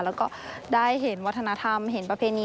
แล้วก็ได้เห็นวัฒนธรรมเห็นประเพณี